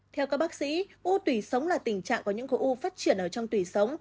theo các bác sĩ u tùy sống là tình trạng của những khổ u phát triển ở trong tùy sống